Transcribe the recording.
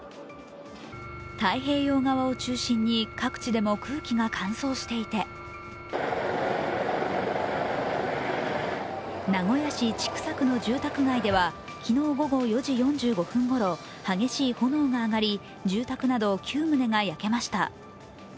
太平洋側を中心に各地でも空気が乾燥していて名古屋市千種区の住宅街では、昨日午後４時４５分ごろ、激しい炎が上がり、住宅など９棟が焼けました。